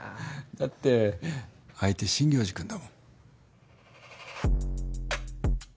だって相手真行寺君だもん。